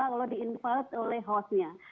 kalau diinvite oleh hostnya